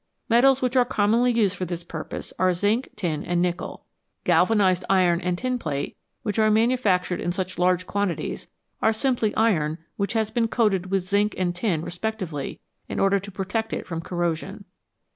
Metals which are commonly used for this purpose are zinc, tin, and nickel. Galvanised iron and tinplate, which are manufactured in such large quantities, are simply iron which has been coated with zinc and tin respectively in order to protect it from corro sion.